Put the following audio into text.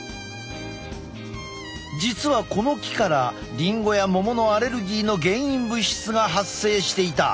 実はこの木からリンゴやモモのアレルギーの原因物質が発生していた。